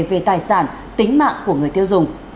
về tài sản tính mạng của người tiêu dùng